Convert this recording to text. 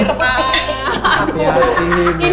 selamat pagi mirna